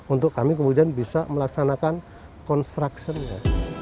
untuk kami kemudian bisa melaksanakan construction nya